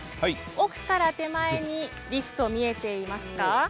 奥から手前にリフトが見えていますか？